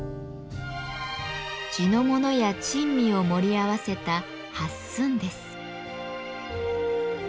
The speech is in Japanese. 地のものや珍味を盛り合わせた「八寸」です。